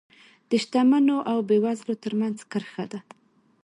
د شتمنو او بېوزلو ترمنځ کرښه ده.